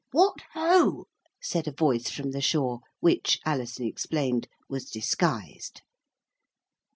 'What ho!' said a voice from the shore which, Alison explained, was disguised.